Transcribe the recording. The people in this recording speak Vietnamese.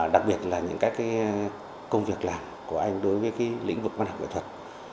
đặc biệt là những các công việc làm của anh đối với lĩnh vực văn học nghệ thuật